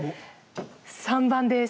３番です。